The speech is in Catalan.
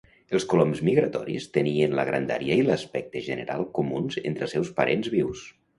Els coloms migratoris tenien la grandària i l'aspecte general comuns entre els seus parents vius.